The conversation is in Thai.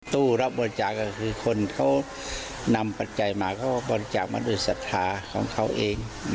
ตู้รับบริจาคก็คือคนเขานำปัจจัยมาเขาก็บริจาคมาด้วยศรัทธาของเขาเอง